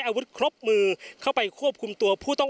พร้อมด้วยผลตำรวจเอกนรัฐสวิตนันอธิบดีกรมราชทัน